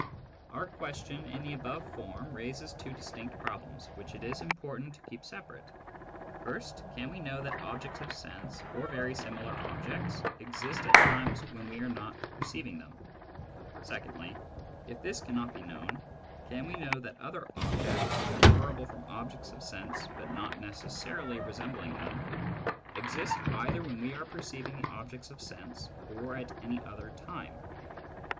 Our question in the above form raises two distinct problems, which it is important to keep separate. First, can we know that objects of sense, or very similar objects, exist at times when we are not perceiving them ? Secondly, if this cannot be known, can we know that other objects, inferable from objects of sense but not necessarily resembling them, exist either when we are perceiving the objects of sense or at any other time